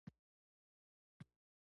پسرلی د کار موسم دی.